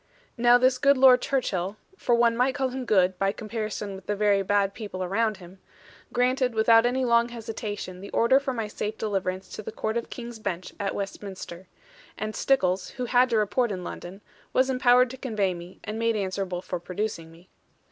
Now this good Lord Churchill for one might call him good, by comparison with the very bad people around him granted without any long hesitation the order for my safe deliverance to the Court of King's Bench at Westminster; and Stickles, who had to report in London, was empowered to convey me, and made answerable for producing me.